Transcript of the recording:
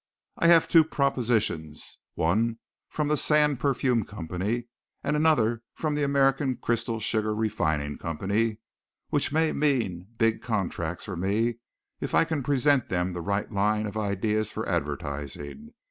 I have two propositions, one from the Sand Perfume Company and another from the American Crystal Sugar Refining Company which may mean big contracts for me if I can present them the right line of ideas for advertising.